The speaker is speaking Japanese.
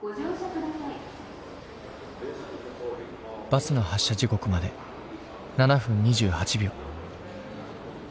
バスの発車時刻まで７分２８秒。